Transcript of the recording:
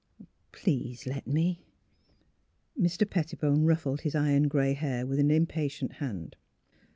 Please let me!" Mr. Pettibone ruffled his iron gray hair with an impatient hand.